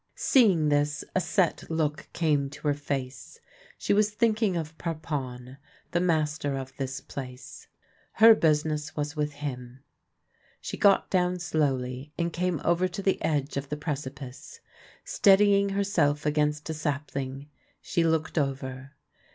Seeing this, a set look came to her face: she was thinking of Parpon, the master of this place. Her business was with him. She got down slowly, and came over to the edge of the precipice. Steadying herself against a sapling, she looked over.